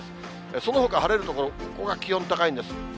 そのほか晴れる所、ここが気温高いんです。